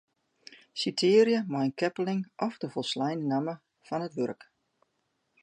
Sitearje mei in keppeling of de folsleine namme fan it wurk.